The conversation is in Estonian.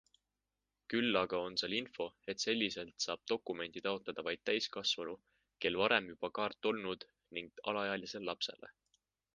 Küll aga on seal info, et selliselt saab dokumenti taotleda vaid täiskasvanu, kel varem juba kaart olnud ning alaealisele lapsele.